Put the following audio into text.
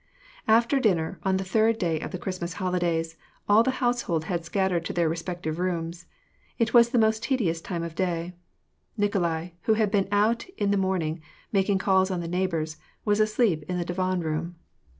After dinner on the third day of the Christmas holidays, all the household had scattered to their respective rooms. It was the most tedious time of the day. Nikolai, who had been out in the morning, making calls on the neighbors, was asleep in the divan room.